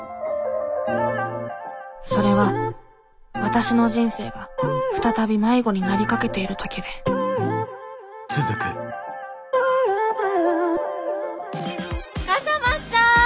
それはわたしの人生が再び迷子になりかけている時で笠松さん！